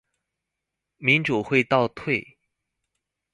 民主會倒退